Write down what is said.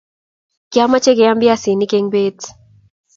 Kimache keyam biasiniki en bet